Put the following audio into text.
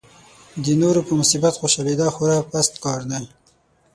د نورو په مصیبت خوشالېدا خورا پست کار دی.